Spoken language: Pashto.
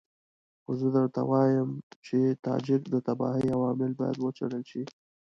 خو زه درته وایم چې د تاجک د تباهۍ عوامل باید وڅېړل شي.